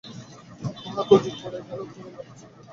মহা গোলযোগ পড়িয়া গেল, করুণা বেচারি কাঁদিতে লাগিল।